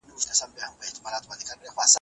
افغانان په ښکلو جامو او وسلو سرتېري راوړل.